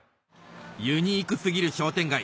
ユニーク過ぎる商店街